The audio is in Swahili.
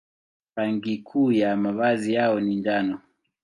Rangi kuu ya mavazi yao ni njano.